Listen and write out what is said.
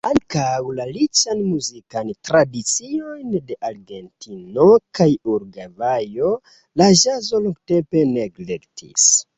Ankaŭ la riĉan muzikan tradiciojn de Argentino kaj Urugvajo la ĵazo longtempe neglektis.